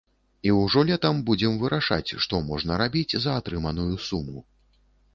І ўжо летам будзем вырашаць, што можна рабіць за атрыманую суму.